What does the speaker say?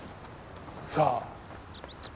さあ。